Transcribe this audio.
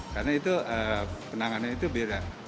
karena penanganannya itu beda